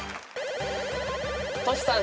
トシさん